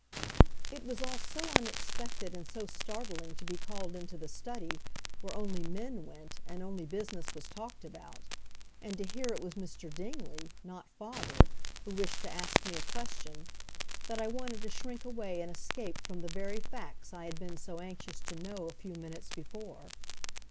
It was all so unexpected and so startling to be called into the study where only men went and only business was talked about; and to hear it was Mr. Dingley, not father, who wished to ask me a question, that I wanted to shrink away and escape from the very facts I had been so anxious to know a few minutes before.